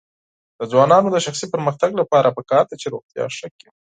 د ځوانانو د شخصي پرمختګ لپاره پکار ده چې روغتیا ښه کړي.